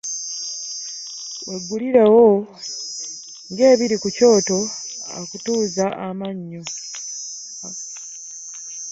Wegulirewo nga ebiri ku Kyoto akutuza mannyo .